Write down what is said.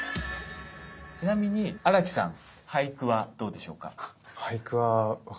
ちなみに荒木さん俳句はどうでしょうか？